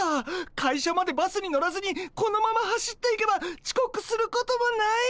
会社までバスに乗らずにこのまま走っていけばちこくすることもない！